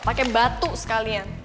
pake batu sekalian